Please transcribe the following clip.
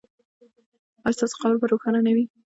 ایا ستاسو قبر به روښانه نه وي؟